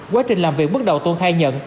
quá trình làm việc bắt đầu tuần hai nhận